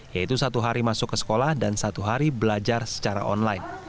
yaitu satu hari masuk ke sekolah dan satu hari belajar secara online